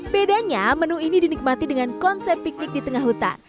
bedanya menu ini dinikmati dengan konsep piknik di tengah hutan